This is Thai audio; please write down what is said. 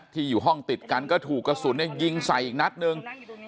ที่อยู่ห้องติดกันก็ถูกกระสุนยิงใส่อีกนัดหนึ่ง